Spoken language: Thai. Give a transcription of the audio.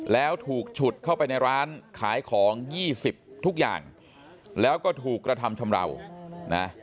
แล้วถูกฉุดเข้าไปในร้านขายของ๒๐ทุกอย่างแล้วก็ถูกกระทำชำราวนะ